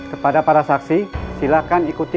kepada para saksi silakan ikuti